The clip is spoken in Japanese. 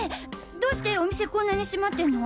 どしてお店こんなに閉まってんの。